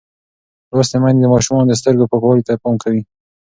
لوستې میندې د ماشومانو د سترګو پاکوالي ته پام کوي.